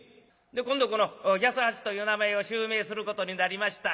で今度この八十八という名前を襲名することになりました